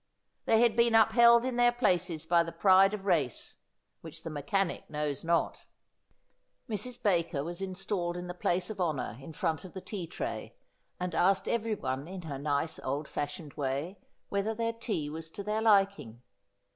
They had been upheld in their places by the pride of race, which the mechanic knows not. Mrs. Baker was installed in the place of honour in front of the tea tray, and asked everyone in her nice old fashioned way whether their tea was to their liking.